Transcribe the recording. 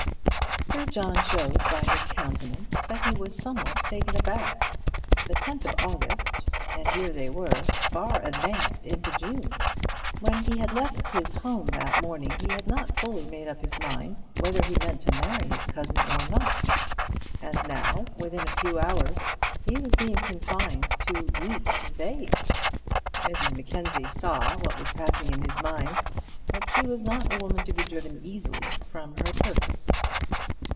Sir John showed by his countenance that he was somewhat taken aback. The 10th of August, and here they were far advanced into June! When he had left home this morning he had not fully made up his mind whether he meant to marry his cousin or not; and now, within a few hours, he was being confined to weeks and days! Mrs Mackenzie saw what was passing in his mind; but she was not a woman to be driven easily from her purpose.